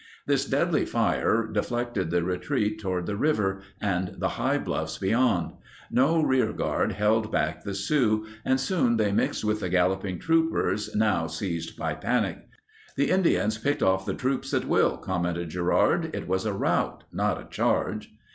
This deadly fire deflected the retreat toward the river and the high bluffs beyond. No rearguard held back the Sioux, and soon they mixed with the galloping troopers, now seized by panic. "The Indians picked off the troops at will," commented Gerard; "it was a rout, not a charge."